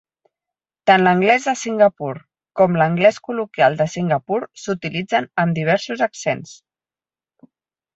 Tant l'anglès de Singapur com l'anglès col·loquial de Singapur s'utilitzen amb diversos accents.